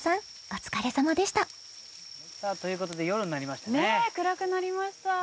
お疲れさまでした］ということで夜になりましたね。